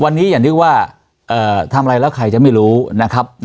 วันนี้อย่านึกว่าทำอะไรแล้วใครจะไม่รู้นะครับ